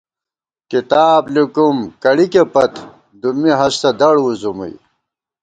کِتاب لِکوُم کڑِکےپت دُمّی ہستہ دڑ وُزُمُوئی